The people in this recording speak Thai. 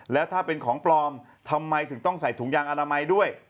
แล้วถ้าเป็นของปลอมทำไมถึงต้องใส่ถุงยางอนามัยด้วย